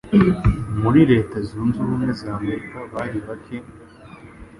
muri Leta Zunze Ubumwe z'Amerika bari bake,